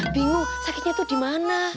bingung sakitnya tuh dimana